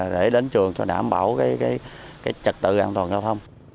để đến trường đảm bảo trực tượng an toàn giao thông